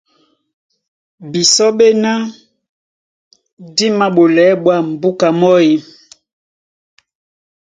Bisɔ́ ɓéná dí māɓolɛɛ́ ɓwǎm̀ búka mɔ́ e?